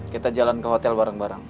kita jalan ke hotel bareng bareng